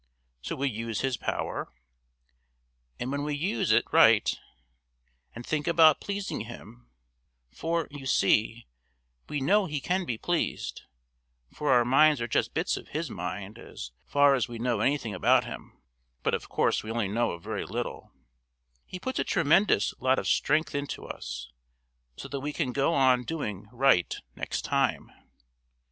So we use His power, and when we use it right and think about pleasing Him for, you see, we know He can be pleased, for our minds are just bits of His mind (as far as we know anything about Him; but of course we only know a very little) He puts a tremendous lot of strength into us, so that we can go on doing right next time.